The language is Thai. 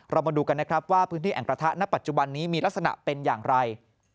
มาดูกันนะครับว่าพื้นที่แอ่งกระทะณปัจจุบันนี้มีลักษณะเป็นอย่างไร